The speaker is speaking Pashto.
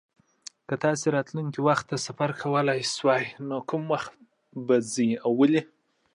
که تاسي راتلونکي وخت ته سفر کولای سوای، نو کوم وخت ته به ځئ؟ او ولي؟